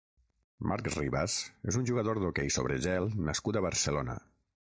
Marc Ribas és un jugador d'hoquei sobre gel nascut a Barcelona.